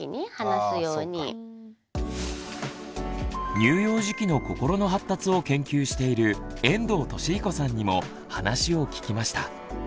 乳幼児期の心の発達を研究している遠藤利彦さんにも話を聞きました。